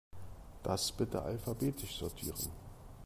Das bitte alphabetisch sortieren.